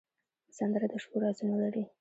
سندره د شپو رازونه لري